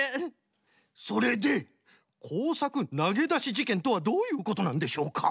それで「こうさくなげだしじけん」とはどういうことなんでしょうか？